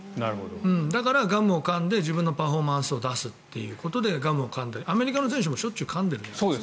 だからガムをかんで自分のパフォーマンスを出すということでガムをかんだりアメリカの選手もしょっちゅうかんでるじゃない。